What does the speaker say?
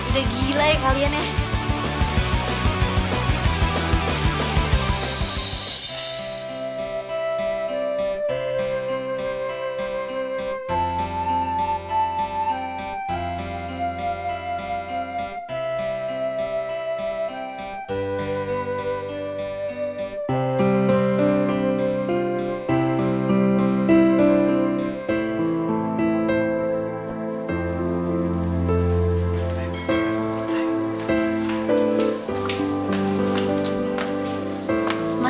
aduh udah gila ya kalian ya